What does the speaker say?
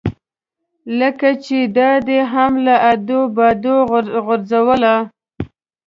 لکه چې دا دې هم له ادو باده غورځوله.